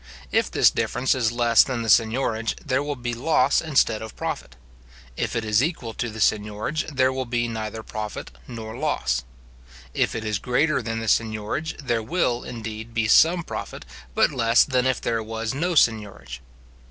If this difference is less than the seignorage, there will be loss instead of profit. If it is equal to the seignorage, there will be neither profit nor loss. If it is greater than the seignorage, there will, indeed, be some profit, but less than if there was no seignorage.